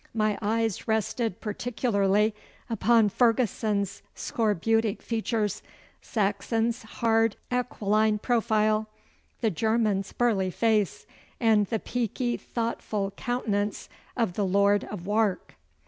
My eyes rested particularly upon Ferguson's scorbutic features, Saxon's hard aquiline profile, the German's burly face, and the peaky thoughtful countenance of the Lord of Wark.